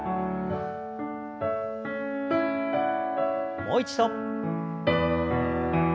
もう一度。